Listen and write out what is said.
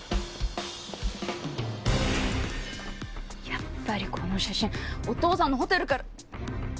やっぱりこの写真お父さんのホテルから！